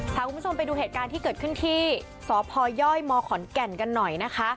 พาคุณผู้ชมไปดูเหตุการณ์ที่เกิดขึ้นที่สพยมขอนแก่นกันหน่อยนะคะ